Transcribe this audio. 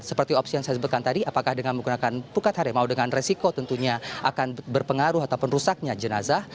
seperti opsi yang saya sebutkan tadi apakah dengan menggunakan pukat harimau dengan resiko tentunya akan berpengaruh ataupun rusaknya jenazah